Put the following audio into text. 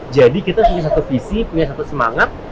jadi kita punya satu visi punya satu semangat